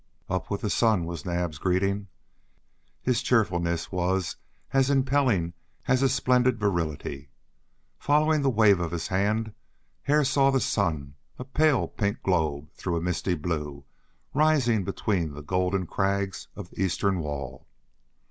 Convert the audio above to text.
"Up with the sun!" was Naab's greeting. His cheerfulness was as impelling as his splendid virility. Following the wave of his hand Hare saw the sun, a pale pink globe through a misty blue, rising between the golden crags of the eastern wall.